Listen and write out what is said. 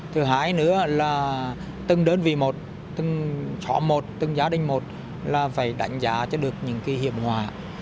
thứ hai nữa là từng đơn vị một từng xóm một từng gia đình một là phải đánh giá cho được những hiểm hòa